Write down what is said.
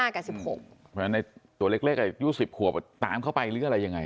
เพราะฉะนั้นในตัวเล็กอายุ๑๐ขวบตามเข้าไปหรืออะไรยังไง